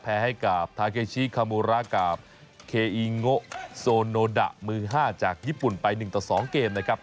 ให้กับทาเกชิคามูระกับเคอีโงโซโนดะมือ๕จากญี่ปุ่นไป๑ต่อ๒เกมนะครับ